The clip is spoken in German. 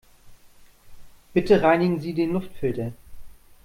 Bitte reinigen Sie den Luftfilter.